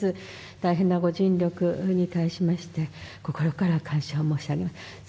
大変なご尽力に対しまして、心から感謝を申し上げます。